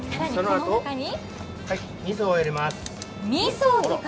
みそを入れます。